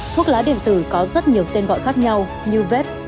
thuốc lá điện tử có rất nhiều tên gọi khác nhau như vết